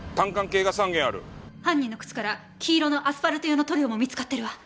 犯人の靴から黄色のアスファルト用の塗料も見つかっているわ。